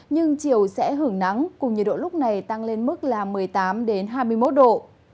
nhưng chiều sẽ hưởng nắng cùng nhiệt độ lúc này tăng lên mức là một mươi tám hai mươi một độ